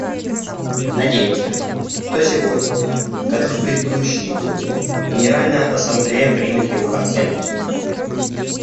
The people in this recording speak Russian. Надеемся, что сегодня, как и в предыдущие годы, Генеральная Ассамблея примет его консенсусом.